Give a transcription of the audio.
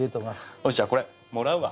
よしじゃあこれもらうわ。